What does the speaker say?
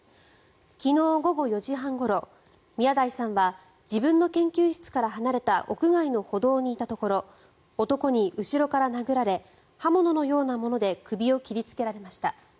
昨日午後４時半ごろ、宮台さんは自分の研究室から離れた屋外の歩道にいたところ男に後ろから殴られ刃物のようなもので首を切りつけられました。